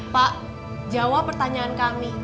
pak jawab pertanyaan kami